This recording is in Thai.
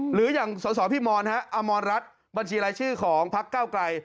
หรืออย่างส่วนสรพี่มอนฮะอามรรจัชบัญชีรายชื่อของพรรคเก้าไกร